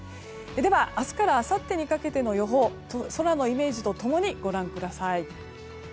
では、明日からあさってにかけての予報を空のイメージと共にご覧ください。